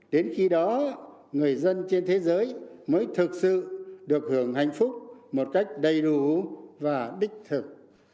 đến khi đó người dân trên thế giới mới thực sự được hưởng hạnh phúc một cách đầy đủ và đích thực